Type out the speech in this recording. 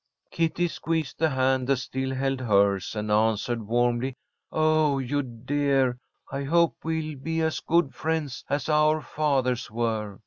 Kitty squeezed the hand that still held hers and answered, warmly: "Oh, you dear, I hope we'll be as good friends as our fathers were!"